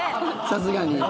さすがに。